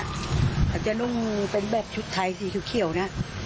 อาจจะลงเป็นแบบชุดไทยสนิษฐ์เขียวนะ